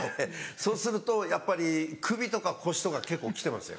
そうするとやっぱり首とか腰とか結構来てますよ。